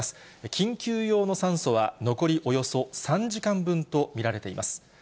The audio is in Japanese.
緊急用の酸素は残りおよそ３時間分と見られています。